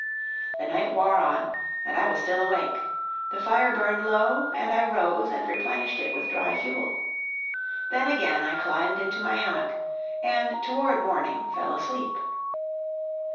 The night wore on, and I was still awake; the fire burned low, and I rose and replenished it with dry fuel. Then again I climbed into my hammock, and toward morning fell asleep.